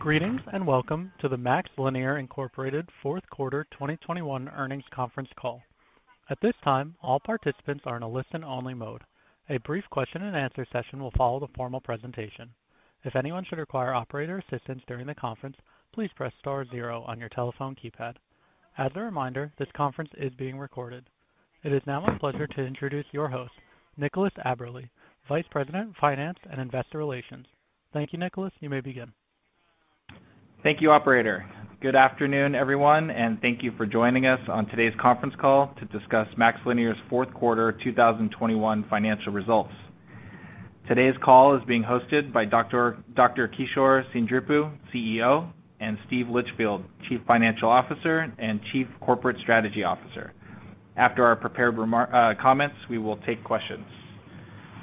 Greetings, and welcome to the MaxLinear, Inc. fourth quarter 2021 earnings conference call. At this time, all participants are in a listen-only mode. A brief question-and-answer session will follow the formal presentation. If anyone should require operator assistance during the conference, please press star zero on your telephone keypad. As a reminder, this conference is being recorded. It is now my pleasure to introduce your host, Nicholas Aberle, Vice President, Finance and Investor Relations. Thank you, Nicholas. You may begin. Thank you, operator. Good afternoon, everyone, and thank you for joining us on today's conference call to discuss MaxLinear's fourth quarter 2021 financial results. Today's call is being hosted by Dr. Kishore Seendripu, CEO, and Steve Litchfield, Chief Financial Officer and Chief Corporate Strategy Officer. After our prepared comments, we will take questions.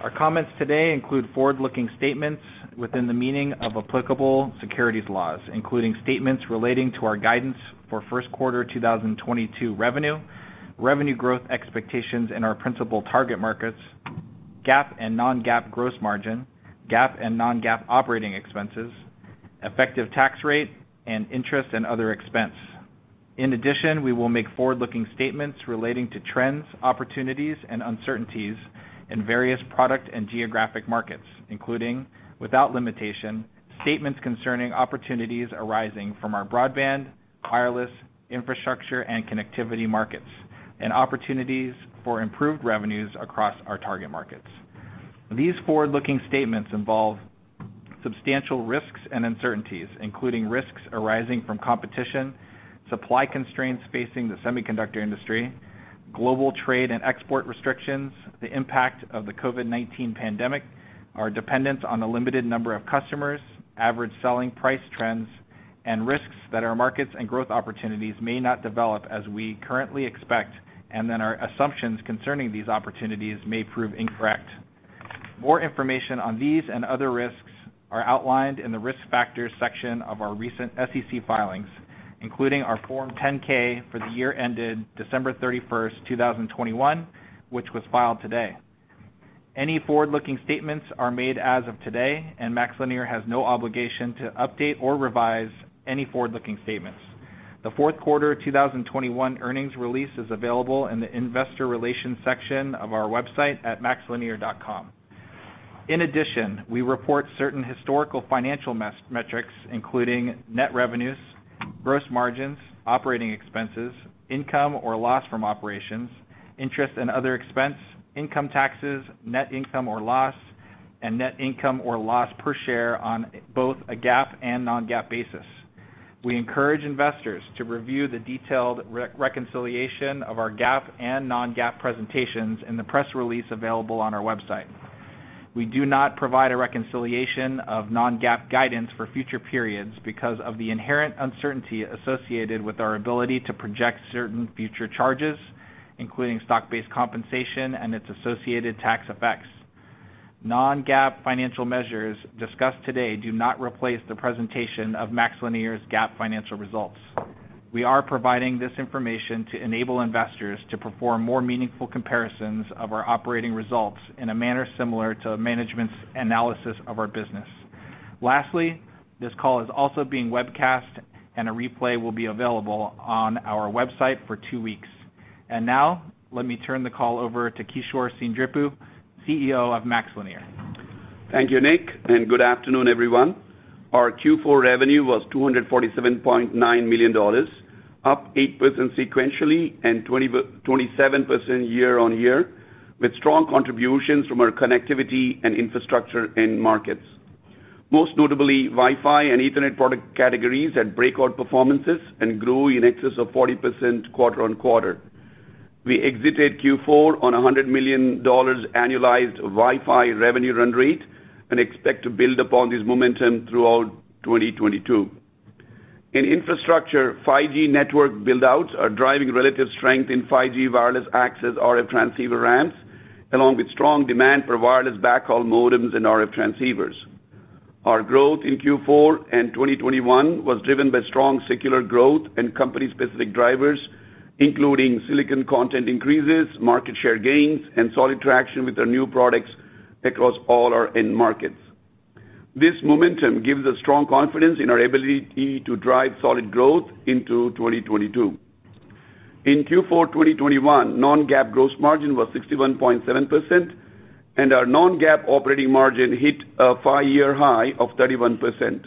Our comments today include forward-looking statements within the meaning of applicable securities laws, including statements relating to our guidance for first quarter 2022 revenue growth expectations in our principal target markets, GAAP and non-GAAP gross margin, GAAP and non-GAAP operating expenses, effective tax rate, and interest and other expense. In addition, we will make forward-looking statements relating to trends, opportunities, and uncertainties in various product and geographic markets, including, without limitation, statements concerning opportunities arising from our broadband, wireless, infrastructure, and connectivity markets, and opportunities for improved revenues across our target markets. These forward-looking statements involve substantial risks and uncertainties, including risks arising from competition, supply constraints facing the semiconductor industry, global trade and export restrictions, the impact of the COVID-19 pandemic, our dependence on a limited number of customers, average selling price trends, and risks that our markets and growth opportunities may not develop as we currently expect and that our assumptions concerning these opportunities may prove incorrect. More information on these and other risks are outlined in the Risk Factors section of our recent SEC filings, including our Form 10-K for the year ended December 31, 2021, which was filed today. Any forward-looking statements are made as of today, and MaxLinear has no obligation to update or revise any forward-looking statements. The fourth quarter 2021 earnings release is available in the Investor Relations section of our website at maxlinear.com. In addition, we report certain historical financial metrics, including net revenues, gross margins, operating expenses, income or loss from operations, interest and other expense, income taxes, net income or loss, and net income or loss per share on both a GAAP and non-GAAP basis. We encourage investors to review the detailed reconciliation of our GAAP and non-GAAP presentations in the press release available on our website. We do not provide a reconciliation of non-GAAP guidance for future periods because of the inherent uncertainty associated with our ability to project certain future charges, including stock-based compensation and its associated tax effects. Non-GAAP financial measures discussed today do not replace the presentation of MaxLinear's GAAP financial results. We are providing this information to enable investors to perform more meaningful comparisons of our operating results in a manner similar to management's analysis of our business. Lastly, this call is also being webcast, and a replay will be available on our website for two weeks. Now, let me turn the call over to Kishore Seendripu, CEO of MaxLinear. Thank you, Nick, and good afternoon, everyone. Our Q4 revenue was $247.9 million, up 8% sequentially and 27% year-on-year, with strong contributions from our connectivity and infrastructure end markets. Most notably, Wi-Fi and Ethernet product categories had breakout performances and grew in excess of 40% quarter-on-quarter. We exited Q4 on a $100 million annualized Wi-Fi revenue run rate and expect to build upon this momentum throughout 2022. In infrastructure, 5G network build-outs are driving relative strength in 5G wireless access RF transceiver ramps, along with strong demand for wireless backhaul modems and RF transceivers. Our growth in Q4 and 2021 was driven by strong secular growth and company-specific drivers, including silicon content increases, market share gains, and solid traction with our new products across all our end markets. This momentum gives us strong confidence in our ability to drive solid growth into 2022. In Q4 2021, non-GAAP gross margin was 61.7%, and our non-GAAP operating margin hit a five-year high of 31%.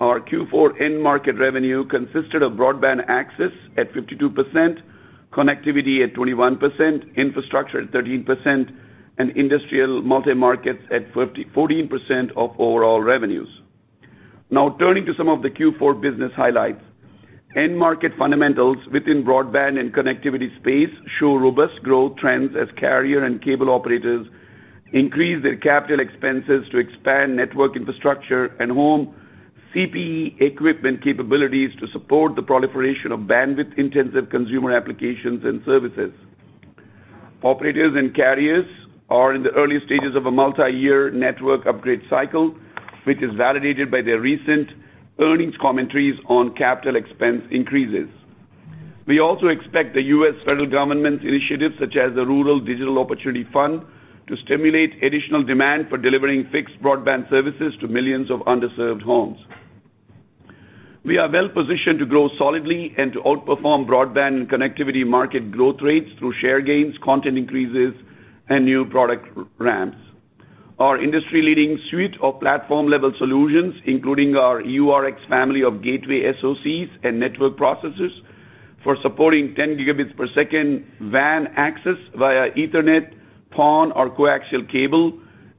Our Q4 end market revenue consisted of broadband access at 52%, connectivity at 21%, infrastructure at 13%, and industrial multi-markets at fourteen percent of overall revenues. Now turning to some of the Q4 business highlights. End market fundamentals within broadband and connectivity space show robust growth trends as carrier and cable operators increase their capital expenses to expand network infrastructure and home CPE equipment capabilities to support the proliferation of bandwidth-intensive consumer applications and services. Operators and carriers are in the early stages of a multi-year network upgrade cycle, which is validated by their recent earnings commentaries on capital expense increases. We also expect the U.S. federal government's initiatives, such as the Rural Digital Opportunity Fund, to stimulate additional demand for delivering fixed broadband services to millions of underserved homes. We are well-positioned to grow solidly and to outperform broadband and connectivity market growth rate through share gains, content increases, and new product ramps. Our industry-leading suite of platform-level solutions, including our URX family of gateway SoCs and network processors for supporting 10 Gb per second WAN access via Ethernet, PON, or coaxial cable,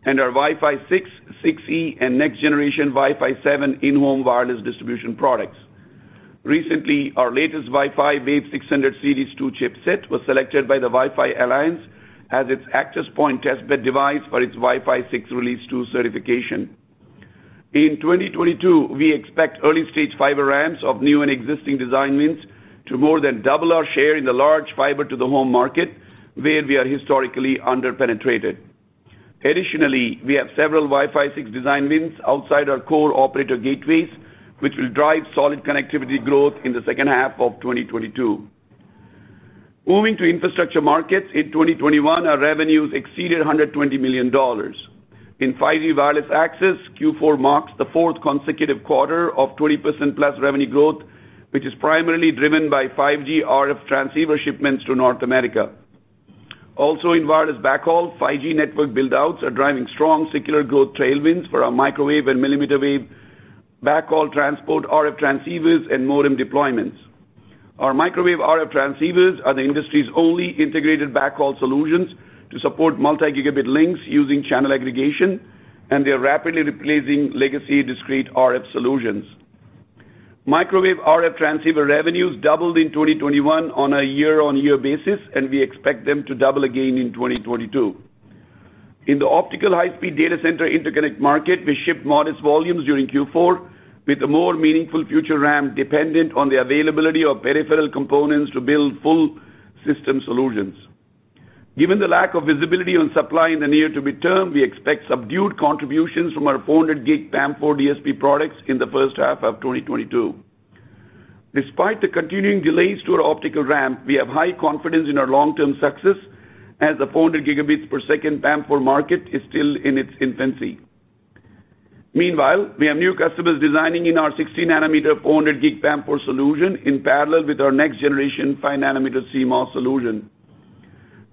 and our Wi-Fi 6, Wi-Fi 6E, and next-generation Wi-Fi 7 in-home wireless distribution products. Recently, our latest Wi-Fi Wave 600 Series 2 chipset was selected by the Wi-Fi Alliance as its access point test bed device for its Wi-Fi 6 Release 2 certification. In 2022, we expect early-stage fiber ramps of new and existing design wins to more than double our share in the large fiber-to-the-home market, where we are historically under-penetrated. Additionally, we have several Wi-Fi 6 design wins outside our core operator gateways, which will drive solid connectivity growth in the second half of 2022. Moving to infrastructure markets, in 2021, our revenues exceeded $120 million. In 5G wireless access, Q4 marks the fourth consecutive quarter of 20%+ revenue growth, which is primarily driven by 5G RF transceiver shipments to North America. Also, in wireless backhaul, 5G network build-outs are driving strong secular growth tailwinds for our microwave and millimeter wave backhaul transport RF transceivers and modem deployments. Our microwave RF transceivers are the industry's only integrated backhaul solutions to support multi-Gigabit links using channel aggregation, and they're rapidly replacing legacy discrete RF solutions. Microwave RF transceiver revenues doubled in 2021 on a year-on-year basis, and we expect them to double again in 2022. In the optical high-speed data center interconnect market, we shipped modest volumes during Q4 with a more meaningful future ramp dependent on the availability of peripheral components to build full system solutions. Given the lack of visibility on supply in the near-to-mid-term, we expect subdued contributions from our 400 gig PAM4 DSP products in the first half of 2022. Despite the continuing delays to our optical ramp, we have high confidence in our long-term success as the 400 Gb per second PAM4 market is still in its infancy. Meanwhile, we have new customers designing in our 16-nanometer 400 gig PAM4 solution in parallel with our next-generation 5-nanometer CMOS solution.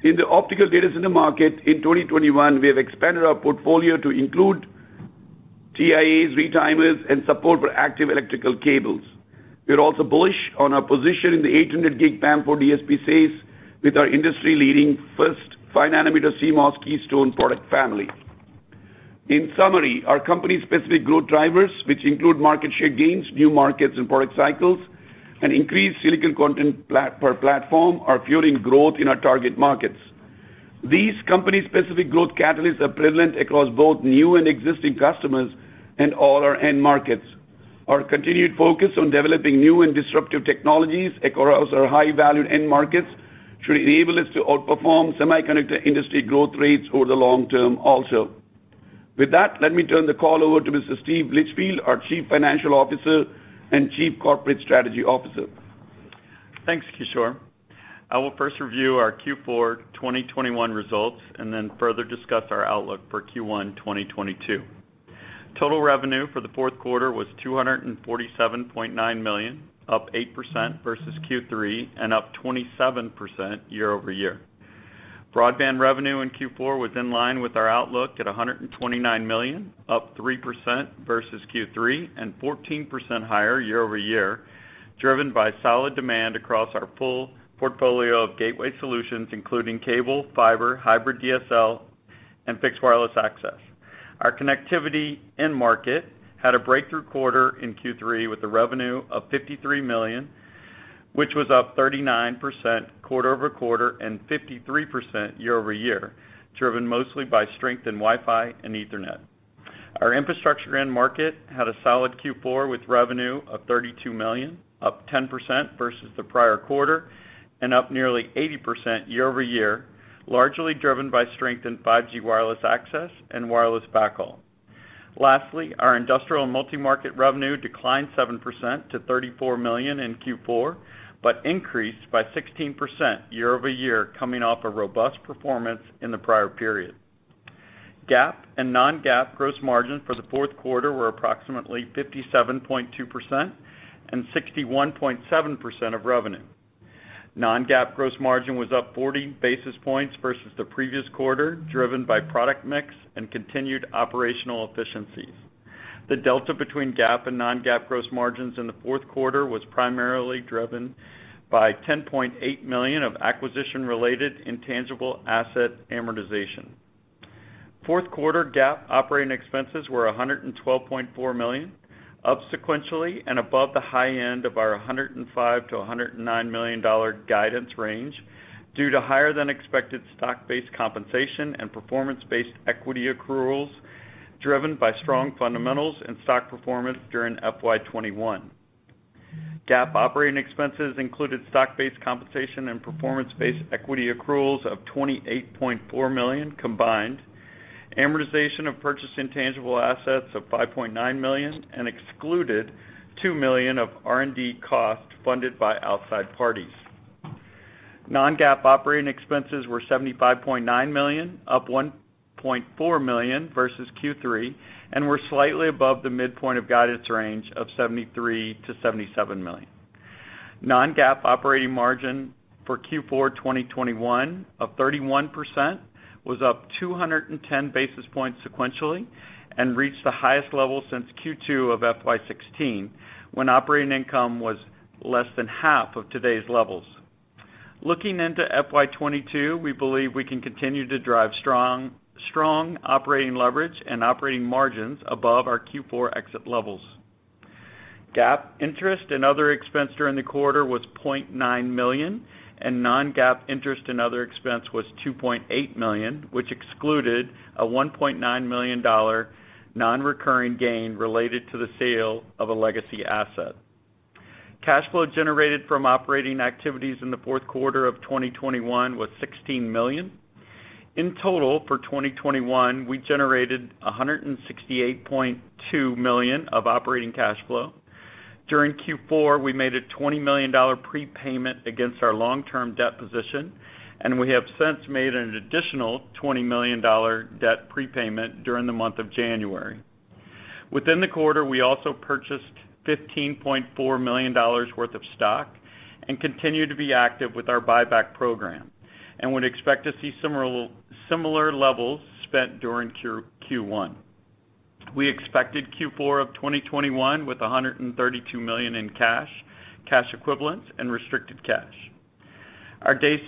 In the optical data center market in 2021, we have expanded our portfolio to include TIAs, retimers, and support for active electrical cables. We are also bullish on our position in the 800 gig PAM4 DSP space with our industry-leading first 5-nanometer CMOS Keystone product family. In summary, our company's specific growth drivers, which include market share gains, new markets and product cycles, and increased silicon content per platform, are fueling growth in our target markets. These company-specific growth catalysts are prevalent across both new and existing customers and all our end markets. Our continued focus on developing new and disruptive technologies across our high-value end markets should enable us to outperform semiconductor industry growth rates over the long term also. With that, let me turn the call over to Mr. Steve Litchfield, our Chief Financial Officer and Chief Corporate Strategy Officer. Thanks, Kishore. I will first review our Q4 2021 results and then further discuss our outlook for Q1 2022. Total revenue for the fourth quarter was $247.9 million, up 8% versus Q3 and up 27% year-over-year. Broadband revenue in Q4 was in line with our outlook at $129 million, up 3% versus Q3 and 14% higher year-over-year, driven by solid demand across our full portfolio of gateway solutions, including cable, fiber, hybrid DSL, and fixed wireless access. Our connectivity end market had a breakthrough quarter in Q3 with revenue of $53 million, which was up 39% quarter-over-quarter and 53% year-over-year, driven mostly by strength in Wi-Fi and Ethernet. Our infrastructure end market had a solid Q4 with revenue of $32 million, up 10% versus the prior quarter and up nearly 80% year-over-year, largely driven by strength in 5G wireless access and wireless backhaul. Lastly, our industrial multimarket revenue declined 7% to $34 million in Q4, but increased by 16% year-over-year, coming off a robust performance in the prior period. GAAP and non-GAAP gross margin for the fourth quarter were approximately 57.2% and 61.7% of revenue. Non-GAAP gross margin was up 40 basis points versus the previous quarter, driven by product mix and continued operational efficiencies. The delta between GAAP and non-GAAP gross margins in the fourth quarter was primarily driven by $10.8 million of acquisition-related intangible asset amortization. Fourth quarter GAAP operating expenses were $112.4 million, up sequentially and above the high end of our $105 million-$109 million guidance range due to higher-than-expected stock-based compensation and performance-based equity accruals, driven by strong fundamentals and stock performance during FY 2021. GAAP operating expenses included stock-based compensation and performance-based equity accruals of $28.4 million combined, amortization of purchased intangible assets of $5.9 million, and excluded $2 million of R&D costs funded by outside parties. Non-GAAP operating expenses were $75.9 million, up $1.4 million versus Q3, and were slightly above the midpoint of guidance range of $73 million-$77 million. Non-GAAP operating margin for Q4 2021 of 31% was up 210 basis points sequentially and reached the highest level since Q2 of FY 2016 when operating income was less than half of today's levels. Looking into FY 2022, we believe we can continue to drive strong operating leverage and operating margins above our Q4 exit levels. GAAP interest and other expense during the quarter was $0.9 million and non-GAAP interest and other expense was $2.8 million, which excluded a $1.9 million non-recurring gain related to the sale of a legacy asset. Cash flow generated from operating activities in the fourth quarter of 2021 was $16 million. In total, for 2021, we generated $168.2 million of operating cash flow. During Q4, we made a $20 million prepayment against our long-term debt position, and we have since made an additional $20 million debt prepayment during the month of January. Within the quarter, we also purchased $15.4 million worth of stock and continue to be active with our buyback program, and would expect to see similar levels spent during Q1. We ended Q4 of 2021 with 132 million in cash equivalents, and restricted cash. Our days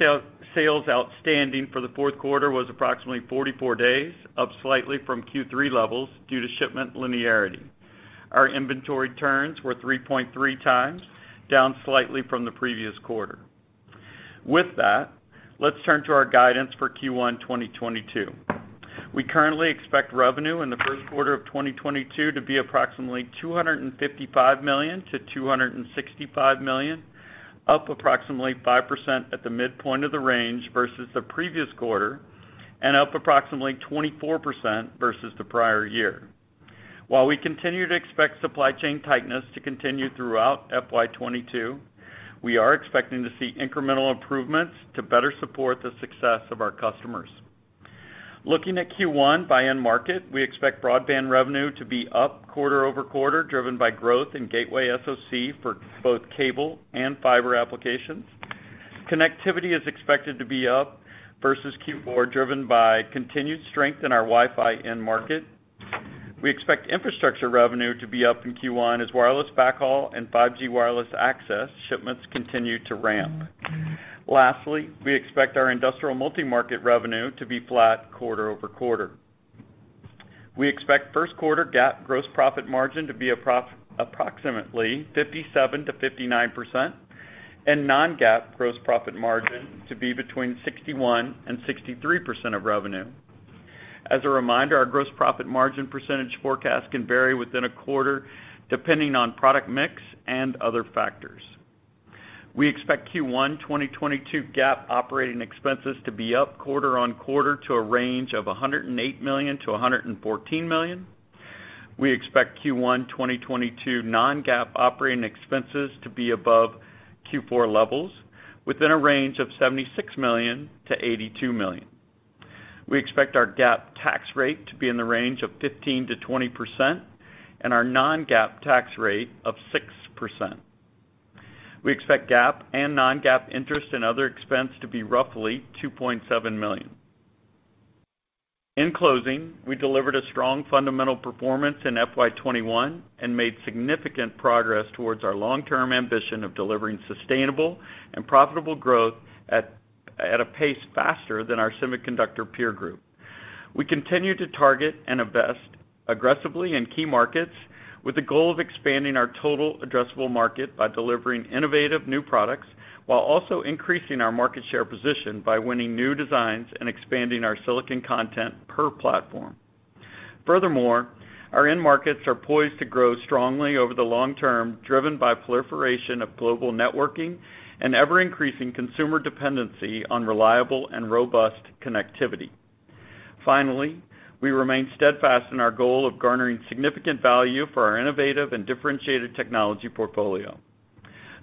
sales outstanding for the fourth quarter was approximately 44 days, up slightly from Q3 levels due to shipment linearity. Our inventory turns were 3.3x, down slightly from the previous quarter. With that, let's turn to our guidance for Q1 2022. We currently expect revenue in the first quarter of 2022 to be approximately $255 million-$265 million, up approximately 5% at the midpoint of the range versus the previous quarter and up approximately 24% versus the prior year. While we continue to expect supply chain tightness to continue throughout FY 2022, we are expecting to see incremental improvements to better support the success of our customers. Looking at Q1 by end market, we expect broadband revenue to be up quarter-over-quarter, driven by growth in gateway SoC for both cable and fiber applications. Connectivity is expected to be up versus Q4, driven by continued strength in our Wi-Fi end market. We expect infrastructure revenue to be up in Q1 as wireless backhaul and 5G wireless access shipments continue to ramp. Lastly, we expect our industrial multi-market revenue to be flat quarter over quarter. We expect first quarter GAAP gross profit margin to be approximately 57%-59% and non-GAAP gross profit margin to be between 61%-63% of revenue. As a reminder, our gross profit margin percentage forecast can vary within a quarter depending on product mix and other factors. We expect Q1 2022 GAAP operating expenses to be up quarter on quarter to a range of $108 million-$114 million. We expect Q1 2022 non-GAAP operating expenses to be above Q4 levels within a range of $76 million-$82 million. We expect our GAAP tax rate to be in the range of 15%-20% and our non-GAAP tax rate of 6%. We expect GAAP and non-GAAP interest and other expense to be roughly $2.7 million. In closing, we delivered a strong fundamental performance in FY 2021 and made significant progress towards our long-term ambition of delivering sustainable and profitable growth at a pace faster than our semiconductor peer group. We continue to target and invest aggressively in key markets with the goal of expanding our total addressable market by delivering innovative new products while also increasing our market share position by winning new designs and expanding our silicon content per platform. Furthermore, our end markets are poised to grow strongly over the long term, driven by proliferation of global networking and ever-increasing consumer dependency on reliable and robust connectivity. Finally, we remain steadfast in our goal of garnering significant value for our innovative and differentiated technology portfolio.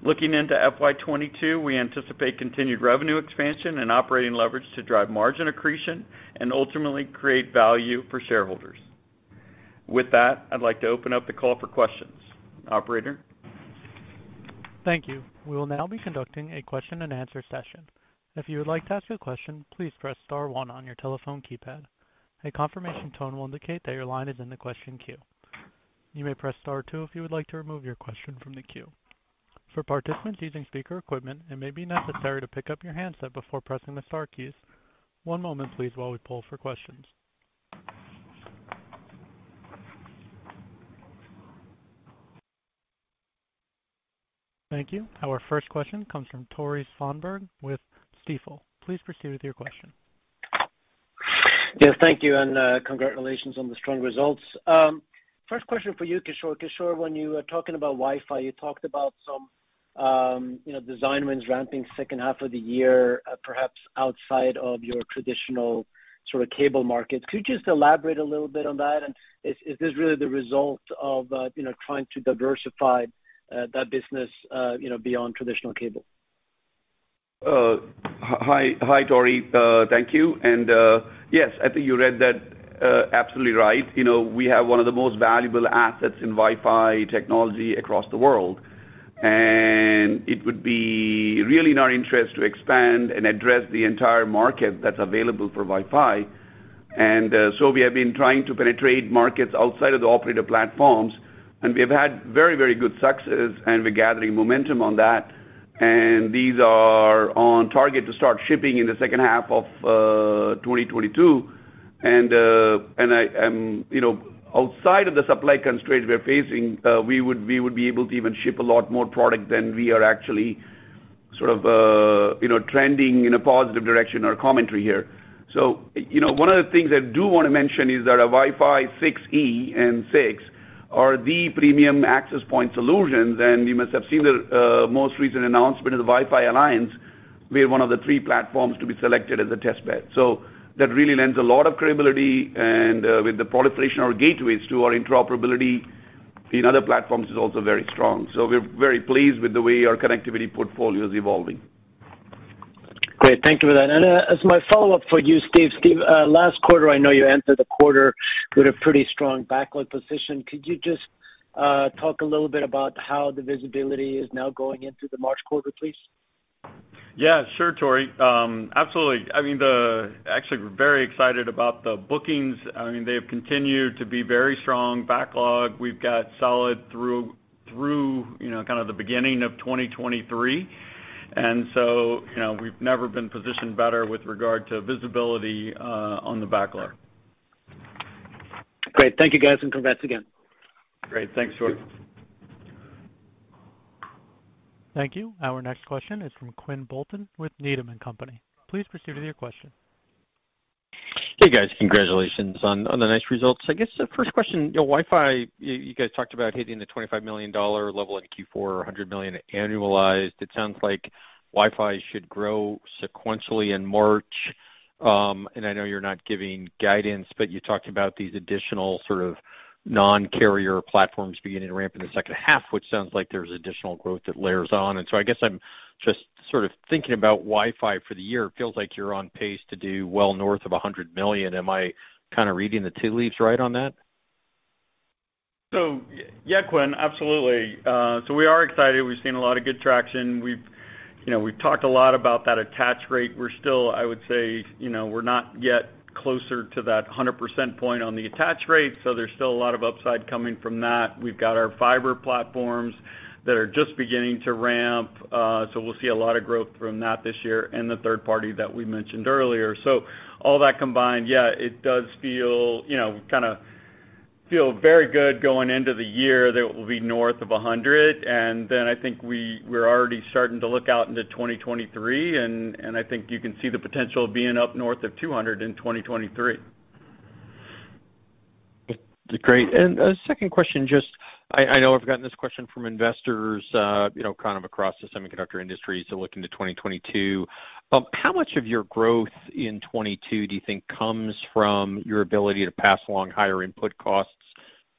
Looking into FY 2022, we anticipate continued revenue expansion and operating leverage to drive margin accretion and ultimately create value for shareholders. With that, I'd like to open up the call for questions. Operator? Thank you. We will now be conducting a question and answer session. If you would like to ask a question, please press star one on your telephone keypad. A confirmation tone will indicate that your line is in the question queue. You may press star two if you would like to remove your question from the queue. For participants using speaker equipment, it may be necessary to pick up your handset before pressing the star keys. One moment, please, while we poll for questions. Thank you. Our first question comes from Tore Svanberg with Stifel. Please proceed with your question. Yes, thank you, and, congratulations on the strong results. First question for you, Kishore. Kishore, when you were talking about Wi-Fi, you talked about some, you know, design wins ramping second half of the year, perhaps outside of your traditional sort of cable markets. Could you just elaborate a little bit on that? Is this really the result of, you know, trying to diversify, that business, you know, beyond traditional cable? Hi, Tore. Thank you. Yes, I think you read that absolutely right. You know, we have one of the most valuable assets in Wi-Fi technology across the world, and it would be really in our interest to expand and address the entire market that's available for Wi-Fi. We have been trying to penetrate markets outside of the operator platforms, and we have had very, very good success, and we're gathering momentum on that. These are on target to start shipping in the second half of 2022. You know, outside of the supply constraints we are facing, we would be able to even ship a lot more product than we are actually sort of trending in a positive direction or commentary here. You know, one of the things I do wanna mention is that our Wi-Fi 6E and 6 are the premium access point solutions. You must have seen the most recent announcement of the Wi-Fi Alliance. We have one of the three platforms to be selected as a test bed. That really lends a lot of credibility. With the proliferation of gateways, our interoperability in other platforms is also very strong. We're very pleased with the way our connectivity portfolio is evolving. Great. Thank you for that. As my follow-up for you, Steve. Steve, last quarter, I know you entered the quarter with a pretty strong backlog position. Could you just talk a little bit about how the visibility is now going into the March quarter, please? Yeah, sure, Tore. Absolutely. I mean, actually, we're very excited about the bookings. I mean, they have continued to be very strong. Backlog. We've got solid through, you know, kind of the beginning of 2023. You know, we've never been positioned better with regard to visibility on the backlog. Great. Thank you, guys, and congrats again. Great. Thanks, Tore. Thank you. Our next question is from Quinn Bolton with Needham & Company. Please proceed with your question. Hey, guys. Congratulations on the nice results. I guess the first question, Wi-Fi, you guys talked about hitting the $25 million level in Q4, $100 million annualized. It sounds like Wi-Fi should grow sequentially in March. I know you're not giving guidance, but you talked about these additional sort of non-carrier platforms beginning to ramp in the second half, which sounds like there's additional growth that layers on. I guess I'm just sort of thinking about Wi-Fi for the year. It feels like you're on pace to do well north of $100 million. Am I kinda reading the tea leaves right on that? Yeah, Quinn, absolutely. We are excited. We've seen a lot of good traction. We've, you know, we've talked a lot about that attach rate. We're still, I would say, you know, we're not yet closer to that 100% point on the attach rate, so there's still a lot of upside coming from that. We've got our fiber platforms that are just beginning to ramp, so we'll see a lot of growth from that this year and the third party that we mentioned earlier. All that combined, yeah, it does feel, you know, kind of feel very good going into the year that it will be north of 100%. Then I think we're already starting to look out into 2023, and I think you can see the potential being up north of 200% in 2023. Great. A second question, just I know I've gotten this question from investors, you know, kind of across the semiconductor industry. Looking to 2022, how much of your growth in 2022 do you think comes from your ability to pass along higher input costs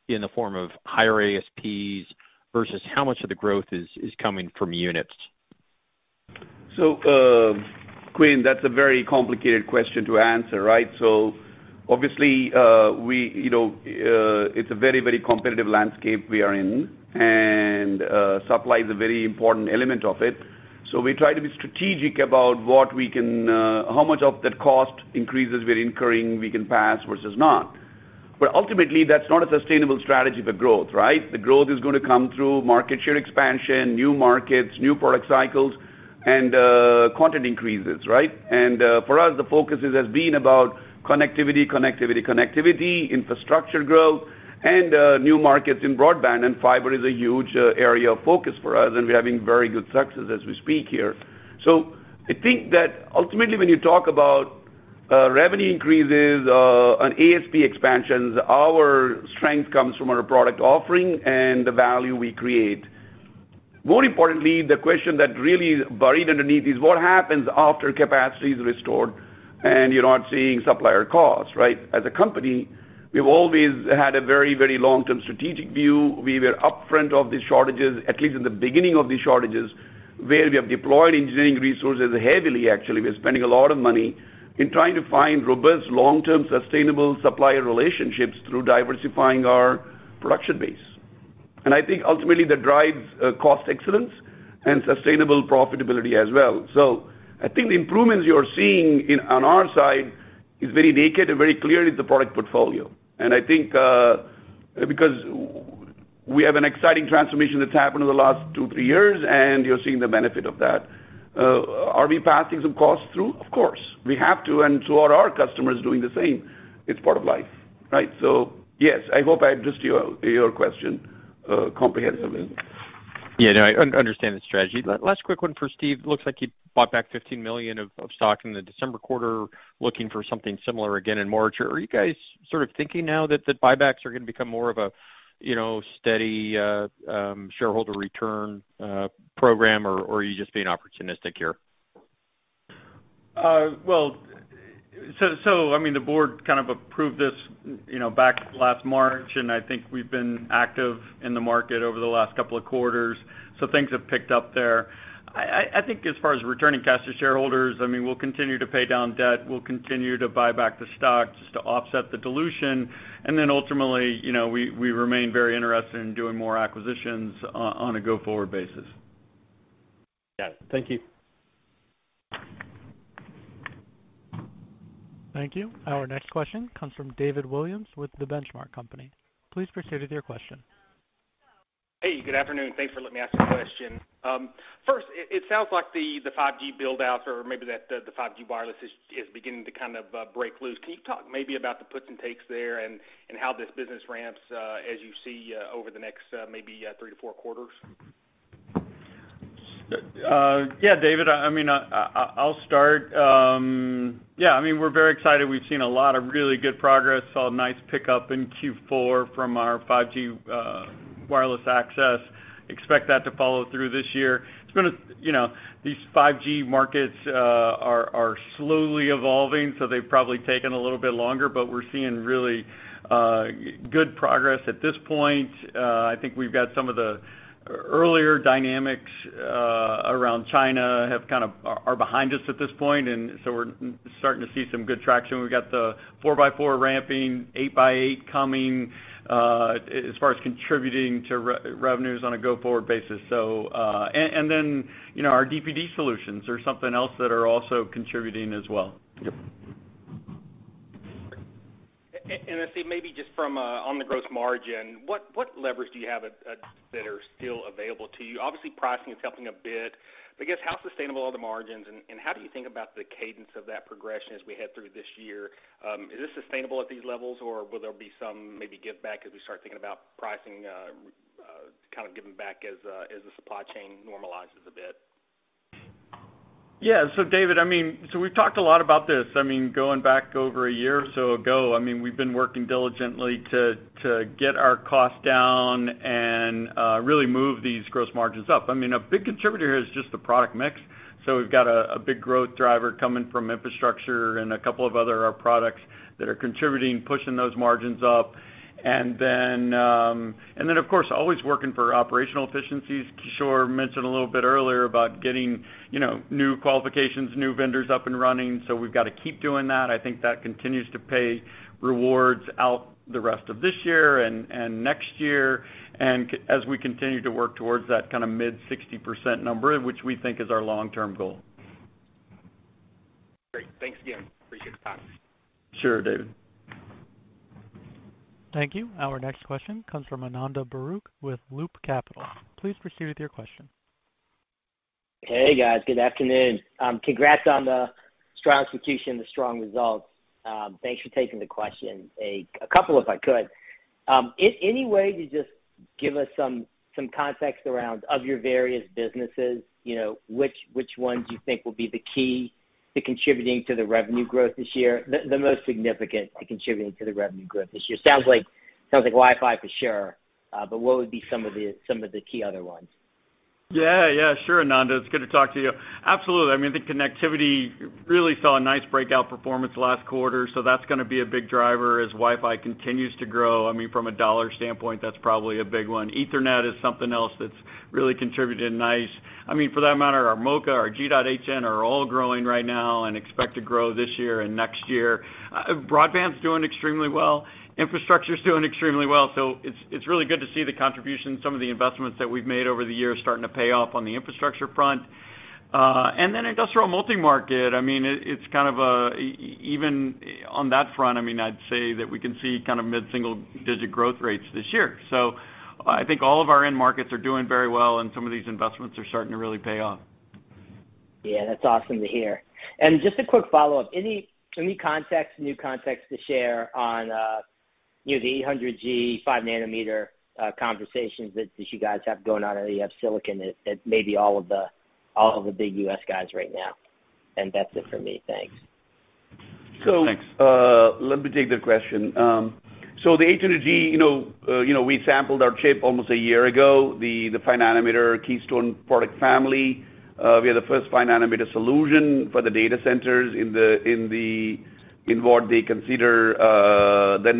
in the form of higher ASPs, versus how much of the growth is coming from units? Quinn, that's a very complicated question to answer, right? Obviously, we, you know, it's a very, very competitive landscape we are in, and supply is a very important element of it. We try to be strategic about what we can, how much of that cost increases we're incurring we can pass versus not. Ultimately, that's not a sustainable strategy for growth, right? The growth is gonna come through market share expansion, new markets, new product cycles, and quantity increases, right? For us, the focus has been about connectivity, connectivity, infrastructure growth, and new markets in broadband, and fiber is a huge area of focus for us, and we're having very good success as we speak here. I think that ultimately, when you talk about revenue increases and ASP expansions, our strength comes from our product offering and the value we create. More importantly, the question that really is buried underneath is what happens after capacity is restored and you're not seeing supplier costs, right? As a company, we've always had a very, very long-term strategic view. We were ahead of these shortages, at least in the beginning of these shortages, where we have deployed engineering resources heavily, actually. We're spending a lot of money in trying to find robust, long-term, sustainable supplier relationships through diversifying our production base. And I think ultimately, that drives cost excellence and sustainable profitability as well. I think the improvements you're seeing on our side is very evident and very clear in the product portfolio. I think, because we have an exciting transformation that's happened over the last two, three years, and you're seeing the benefit of that. Are we passing some costs through? Of course, we have to, and so are our customers doing the same. It's part of life, right? Yes, I hope I addressed your question comprehensively. Yeah, no, I understand the strategy. Last quick one for Steve. Looks like you bought back 15 million of stock in the December quarter, looking for something similar again in March. Are you guys sort of thinking now that the buybacks are gonna become more of a, you know, steady shareholder return program, or are you just being opportunistic here? Well, I mean, the board kind of approved this, you know, back last March, and I think we've been active in the market over the last couple of quarters, so things have picked up there. I think as far as returning cash to shareholders, I mean, we'll continue to pay down debt. We'll continue to buy back the stock just to offset the dilution. Ultimately, you know, we remain very interested in doing more acquisitions on a go-forward basis. Got it. Thank you. Thank you. Our next question comes from David Williams with The Benchmark Company. Please proceed with your question. Hey, good afternoon. Thanks for letting me ask a question. First, it sounds like the 5G build-outs or maybe the 5G wireless is beginning to kind of break loose. Can you talk maybe about the puts and takes there and how this business ramps as you see over the next maybe three to four quarters? Yeah, David, I'll start. Yeah, I mean, we're very excited. We've seen a lot of really good progress. Saw a nice pickup in Q4 from our 5G wireless access. Expect that to follow through this year. You know, these 5G markets are slowly evolving, so they've probably taken a little bit longer, but we're seeing really good progress at this point. I think we've got some of the earlier dynamics around China that are behind us at this point, and we're starting to see some good traction. We've got the 4x4 ramping, 8x8 coming as far as contributing to revenues on a go-forward basis. You know, our DPD solutions are something else that are also contributing as well. Steve, maybe just from on the gross margin, what levers do you have that are still available to you? Obviously, pricing is helping a bit, but I guess, how sustainable are the margins, and how do you think about the cadence of that progression as we head through this year? Is this sustainable at these levels, or will there be some maybe giveback as we start thinking about pricing kind of giving back as the supply chain normalizes a bit? Yeah. David, I mean, we've talked a lot about this. I mean, going back over a year or so ago, I mean, we've been working diligently to get our costs down and really move these gross margins up. I mean, a big contributor here is just the product mix. We've got a big growth driver coming from infrastructure and a couple of other products that are contributing, pushing those margins up. Of course, always working for operational efficiencies. Kishore mentioned a little bit earlier about getting you know, new qualifications, new vendors up and running, so we've got to keep doing that. I think that continues to pay rewards out the rest of this year and next year. As we continue to work towards that kind of mid-60% number, which we think is our long-term goal. Great. Thanks again. Appreciate the time. Sure, David. Thank you. Our next question comes from Ananda Baruah with Loop Capital. Please proceed with your question. Hey, guys. Good afternoon. Congrats on the strong execution, the strong results. Thanks for taking the question. A couple, if I could. Any way to just give us some context around your various businesses, you know, which ones you think will be the key to contributing to the revenue growth this year, the most significant to contributing to the revenue growth this year? Sounds like Wi-Fi for sure. But what would be some of the key other ones? Yeah, yeah. Sure, Ananda. It's good to talk to you. Absolutely. I mean, the connectivity really saw a nice breakout performance last quarter, so that's gonna be a big driver as Wi-Fi continues to grow. I mean, from a dollar standpoint, that's probably a big one. Ethernet is something else that's really contributed nice. I mean, for that matter, our MoCA, our G.hn are all growing right now and expect to grow this year and next year. Broadband's doing extremely well. Infrastructure's doing extremely well. It's really good to see the contribution. Some of the investments that we've made over the years are starting to pay off on the infrastructure front. Industrial multi-market, I mean, it's kind of even on that front, I mean, I'd say that we can see kind of mid-single digit growth rates this year. I think all of our end markets are doing very well, and some of these investments are starting to really pay off. Yeah, that's awesome to hear. Just a quick follow-up. Any new context to share on, you know, the 800G 5-nanometer conversations that you guys have going on, or you have silicon at maybe all of the big U.S. guys right now? That's it for me. Thanks. Thanks. Let me take the question. The 800G, you know, we sampled our chip almost a year ago, the 5-nanometer Keystone product family. We are the first 5-nanometer solution for the data centers in what they consider the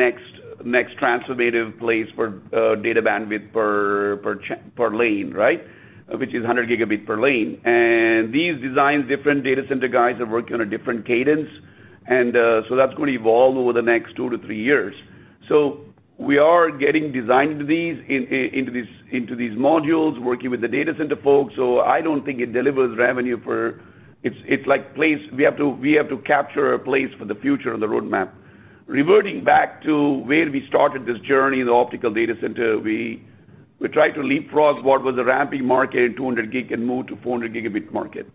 next transformative place for data bandwidth per lane, right? Which is 100 gigabit per lane. These designs, different data center guys are working on a different cadence. That's gonna evolve over the next two to three years. We are getting design into these modules, working with the data center folks. I don't think it delivers revenue. It's like placeholder. We have to capture a place for the future on the roadmap. Reverting back to where we started this journey, the optical data center, we tried to leapfrog what was a ramping market in 200 gigabit and move to 400 gigabit market.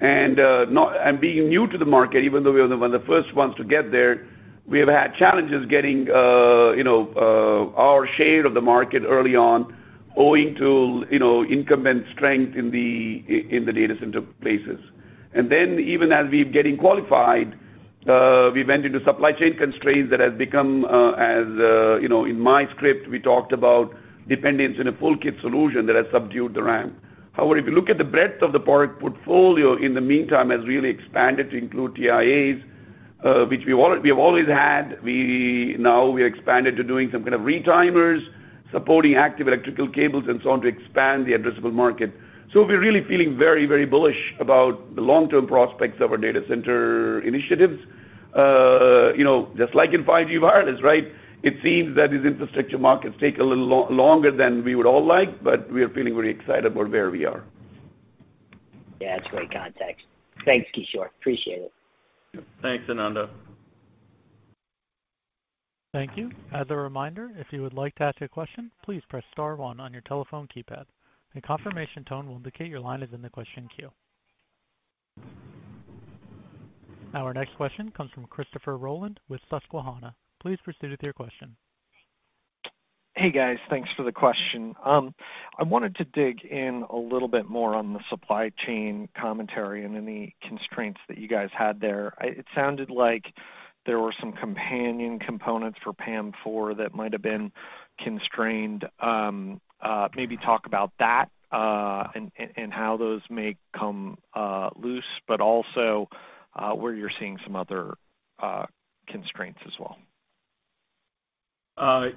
Being new to the market, even though we are one of the first ones to get there, we have had challenges getting our share of the market early on owing to incumbent strength in the data center space. Then even as we're getting qualified, we went into supply chain constraints that has become, as you know, in my script, we talked about dependence on a full kit solution that has subdued the ramp. However, if you look at the breadth of the product portfolio in the meantime has really expanded to include TIAs, which we have always had. We now expanded to doing some kind of retimers, supporting active electrical cables and so on to expand the addressable market. We're really feeling very, very bullish about the long-term prospects of our data center initiatives. You know, just like in 5G wireless, right? It seems that these infrastructure markets take a little longer than we would all like, but we are feeling very excited about where we are. Yeah, that's great context. Thanks, Kishore. Appreciate it. Thanks, Ananda. Thank you. As a reminder, if you would like to ask a question, please press star one on your telephone keypad. A confirmation tone will indicate your line is in the question queue. Our next question comes from Christopher Rolland with Susquehanna. Please proceed with your question. Hey, guys. Thanks for the question. I wanted to dig in a little bit more on the supply chain commentary and any constraints that you guys had there. It sounded like there were some companion components for PAM4 that might have been constrained. Maybe talk about that, and how those may come loose, but also where you're seeing some other constraints as well.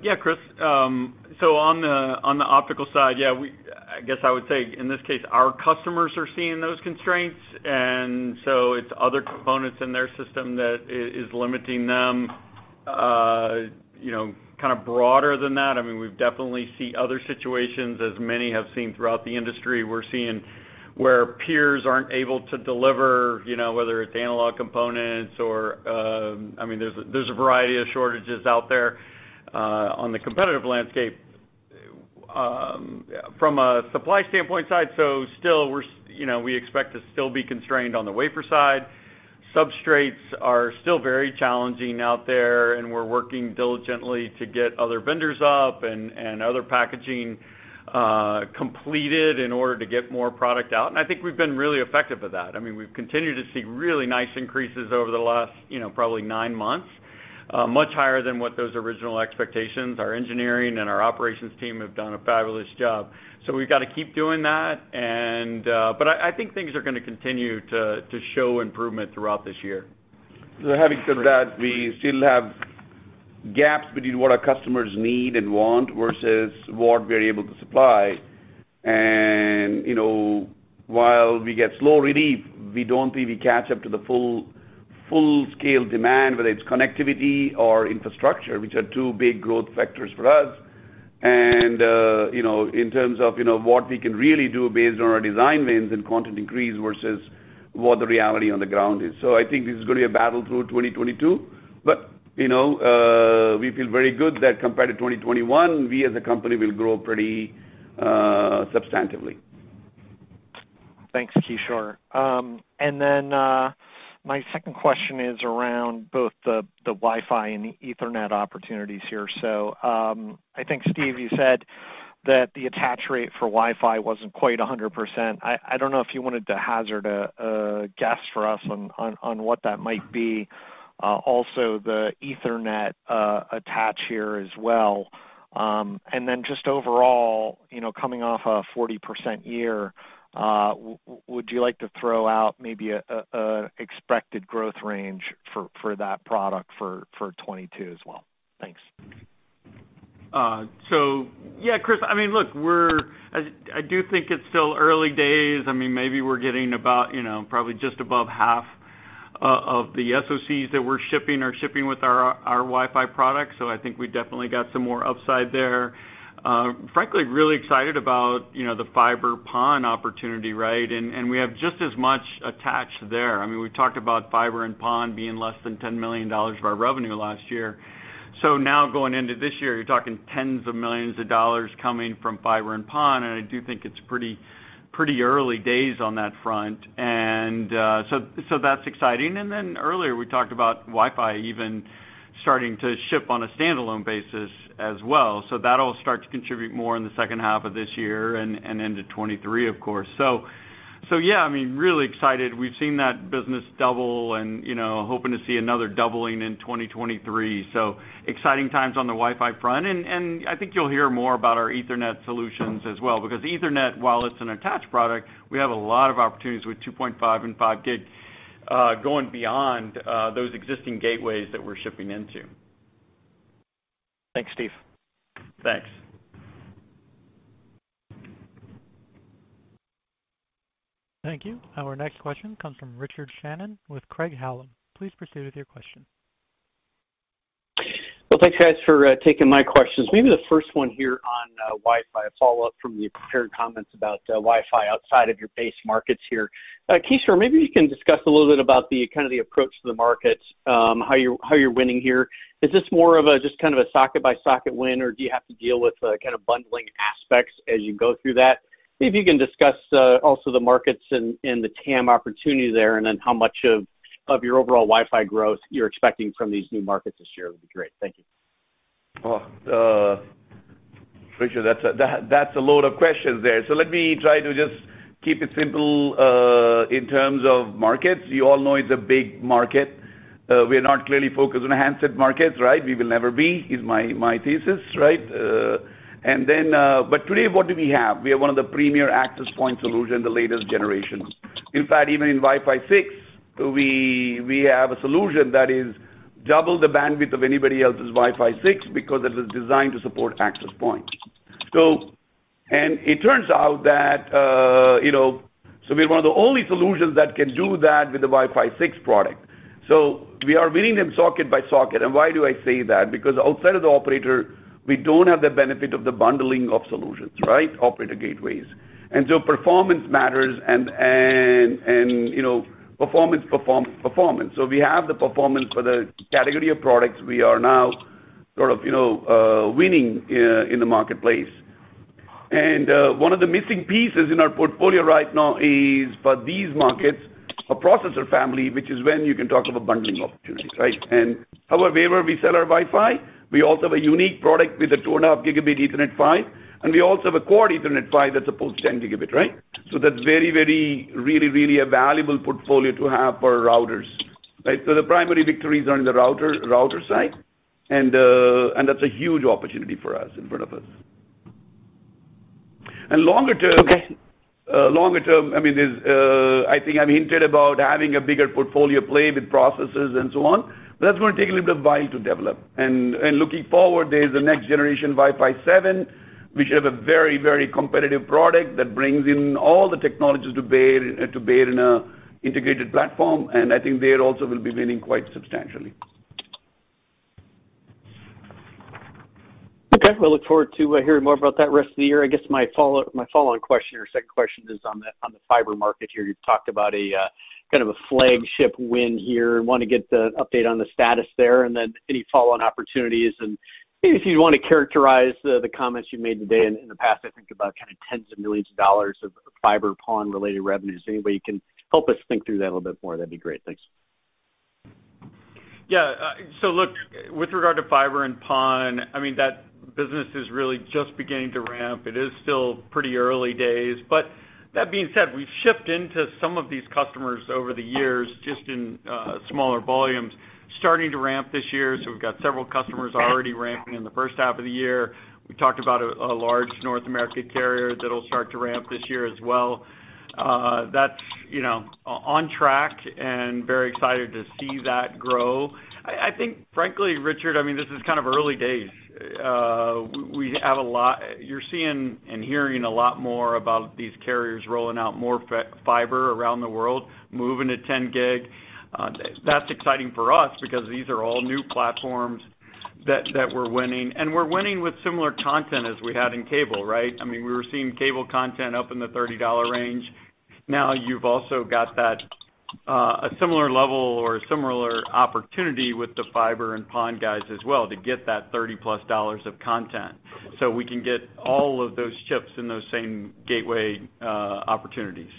Yeah, Chris. On the optical side, yeah, we, I guess I would say in this case, our customers are seeing those constraints, and it's other components in their system that is limiting them. You know, kind of broader than that, I mean, we definitely see other situations, as many have seen throughout the industry. We're seeing where peers aren't able to deliver, you know, whether it's analog components. I mean, there's a variety of shortages out there on the competitive landscape from a supply standpoint side. We expect to still be constrained on the wafer side. Substrates are still very challenging out there, and we're working diligently to get other vendors up and other packaging completed in order to get more product out. I think we've been really effective with that. I mean, we've continued to see really nice increases over the last, you know, probably nine months, much higher than what those original expectations were. Our engineering and our operations team have done a fabulous job. We've got to keep doing that and I think things are gonna continue to show improvement throughout this year. Having said that, we still have gaps between what our customers need and want versus what we're able to supply. You know, while we get slow relief, we don't think we catch up to the full-scale demand, whether it's connectivity or infrastructure, which are two big growth factors for us. You know, in terms of what we can really do based on our design wins and content increase versus what the reality on the ground is. I think this is gonna be a battle through 2022. You know, we feel very good that compared to 2021, we as a company will grow pretty substantively. Thanks, Kishore. My second question is around both the Wi-Fi and Ethernet opportunities here. I think, Steve, you said that the attach rate for Wi-Fi wasn't quite 100%. I don't know if you wanted to hazard a guess for us on what that might be. Also the Ethernet attach here as well. Just overall, you know, coming off a 40% year, would you like to throw out maybe a expected growth range for that product for 2022 as well? Thanks. Yeah, Chris. I mean, look, I do think it's still early days. I mean, maybe we're getting about, you know, probably just above half of the SoCs that we're shipping with our Wi-Fi products. I think we definitely got some more upside there. Frankly, really excited about, you know, the fiber PON opportunity, right? We have just as much attached there. I mean, we've talked about fiber and PON being less than $10 million of our revenue last year. Now going into this year, you're talking tens of millions of dollars coming from fiber and PON, and I do think it's pretty early days on that front. That's exciting. Earlier, we talked about Wi-Fi even starting to ship on a standalone basis as well. That'll start to contribute more in the second half of this year and into 2023, of course. Yeah, I mean, really excited. We've seen that business double and, you know, hoping to see another doubling in 2023. Exciting times on the Wi-Fi front. I think you'll hear more about our Ethernet solutions as well because Ethernet, while it's an attached product, we have a lot of opportunities with 2.5 and 5 gig, going beyond those existing gateways that we're shipping into. Thanks, Steve. Thanks. Thank you. Our next question comes from Richard Shannon with Craig-Hallum. Please proceed with your question. Well, thanks guys for taking my questions. Maybe the first one here on Wi-Fi, a follow-up from the prepared comments about Wi-Fi outside of your base markets here. Kishore, maybe you can discuss a little bit about the kind of the approach to the markets, how you're winning here. Is this more of a just kind of a socket by socket win, or do you have to deal with kind of bundling aspects as you go through that? See if you can discuss also the markets and the TAM opportunity there, and then how much of your overall Wi-Fi growth you're expecting from these new markets this year would be great. Thank you. Richard, that's a load of questions there. Let me try to just keep it simple in terms of markets. You all know it's a big market. We are not clearly focused on handset markets, right? We will never be, is my thesis, right? Today, what do we have? We are one of the premier access point solution in the latest generation. In fact, even in Wi-Fi 6, we have a solution that is double the bandwidth of anybody else's Wi-Fi 6 because it was designed to support access points. It turns out that we're one of the only solutions that can do that with the Wi-Fi 6 product. We are winning them socket by socket. Why do I say that? Because outside of the operator, we don't have the benefit of the bundling of solutions, right? Operator gateways. performance matters and, you know, performance. We have the performance for the category of products. We are now sort of, you know, winning in the marketplace. one of the missing pieces in our portfolio right now is, for these markets, a processor family, which is when you can talk of a bundling opportunity, right? however we sell our Wi-Fi, we also have a unique product with a 2.5 Gigabit Ethernet 5, and we also have a core Ethernet 5 that supports 10 Gigabit, right? that's very, really a valuable portfolio to have for routers, right? the primary victories are on the router side. That's a huge opportunity for us in front of us. Longer term. Okay. Longer term, I mean, there's, I think I've hinted about having a bigger portfolio play with processors and so on, but that's gonna take a little bit of while to develop. Looking forward, there's the next generation Wi-Fi 7. We should have a very, very competitive product that brings in all the technologies to bear in an integrated platform. I think there also we'll be winning quite substantially. Okay. We look forward to hearing more about that rest of the year. I guess my follow-on question or second question is on the fiber market here. You've talked about a kind of a flagship win here, want to get the update on the status there and then any follow-on opportunities. If you'd want to characterize the comments you made today and in the past, I think about kind of tens of millions of dollars of fiber PON-related revenues. Any way you can help us think through that a little bit more, that'd be great. Thanks. Look, with regard to fiber and PON, I mean, that business is really just beginning to ramp. It is still pretty early days. That being said, we've shipped into some of these customers over the years, just in smaller volumes starting to ramp this year, so we've got several customers already ramping in the first half of the year. We talked about a large North American carrier that'll start to ramp this year as well. That's, you know, on track and very excited to see that grow. I think frankly, Richard, I mean, this is kind of early days. We have a lot. You're seeing and hearing a lot more about these carriers rolling out more fiber around the world, moving to 10 Gigabit. That's exciting for us because these are all new platforms that we're winning, and we're winning with similar content as we had in cable, right? I mean, we were seeing cable content up in the $30 range. Now you've also got that, a similar level or similar opportunity with the fiber and PON guys as well to get that $30+ of content. We can get all of those chips in those same gateway opportunities.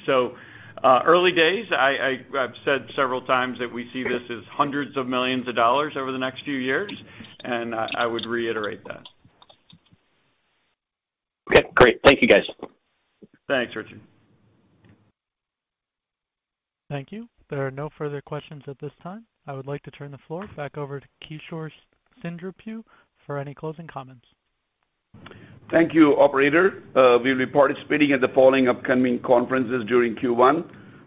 Early days. I've said several times that we see this as hundreds of millions of dollars over the next few years, and I would reiterate that. Okay, great. Thank you, guys. Thanks, Richard. Thank you. There are no further questions at this time. I would like to turn the floor back over to Kishore Seendripu for any closing comments. Thank you, operator. We'll be participating at the following upcoming conferences during Q1: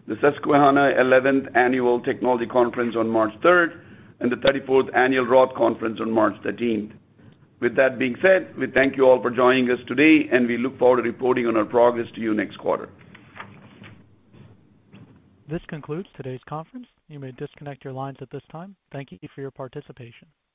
The Susquehanna Eleventh Annual Technology Conference on March 3rd and the 34th annual Roth Conference on March 13th. With that being said, we thank you all for joining us today, and we look forward to reporting on our progress to you next quarter. This concludes today's conference. You may disconnect your lines at this time. Thank you for your participation.